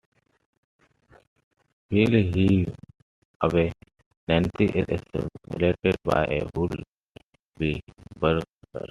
While he's away, Nancy is assaulted by a would-be burglar.